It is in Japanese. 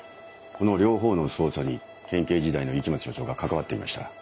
この両方の捜査に県警時代の雪松署長が関わっていました。